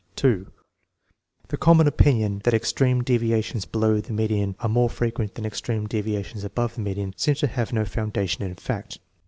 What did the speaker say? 1 2. The common opinion that extreme deviations below the median are more frequent than extreme deviations above the median seems to have no foundation in fact.